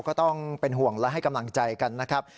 ก็ต้องเป็นห่วงและให้กำลังใจกันนะครับ